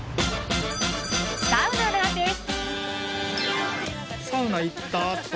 サウナなんです。